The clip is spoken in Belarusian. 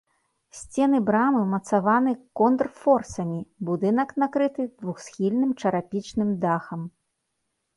Сцены брамы ўмацаваны контрфорсамі, будынак накрыты двухсхільным чарапічным дахам.